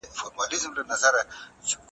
د مسلمانانو نظام له ظلمه پاک دی.